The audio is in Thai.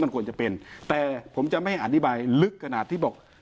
คุณเจ้าค่ะคุณช่ออยู่ตรงนี้ค่ะ